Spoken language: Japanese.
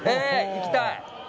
行きたい！